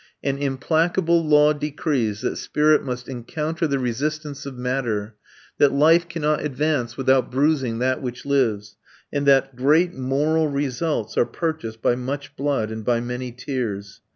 An implacable law decrees that spirit must encounter the resistance of matter, that life cannot advance without bruising that which lives, and that great moral results are purchased by much blood and by many tears.